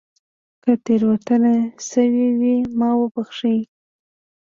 که تېروتنه شوې وي ما وبښئ